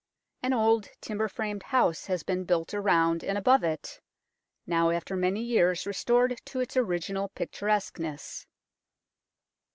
An old timber framed house has been built around and above it, now after many years restored to its original picturesqueness.